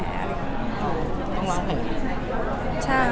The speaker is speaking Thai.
ต้องล้างแผล